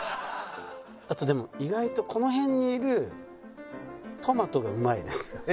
あとでも意外とこの辺にいるトマトがうまいです。